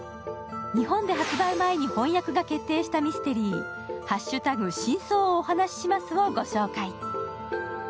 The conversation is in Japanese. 日本で発売前に翻訳が決定したミステリー、「＃真相をお話しします」をご紹介。